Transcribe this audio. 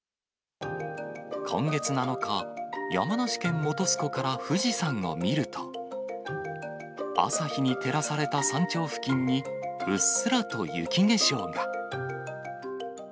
今月７日、山梨県本栖湖から富士山を見ると、朝日に照らされた山頂付近に、うっすらと雪化粧が。